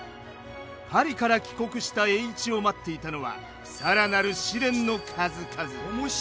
パリから帰国した栄一を待っていたのは更なる試練の数々。